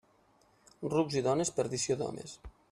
Rucs i dones, perdició d'homes.